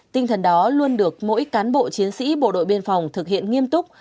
tinh thần đó luôn được mỗi cán bộ chiến sĩ bộ đội biên phòng thực hiện nghiêm túc